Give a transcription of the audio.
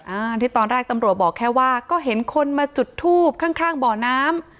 ตอนแรกประมาณตำรวจบอกแค่ว่าก็เห็นคนมาจุดทูบข้างบ่อน้ำ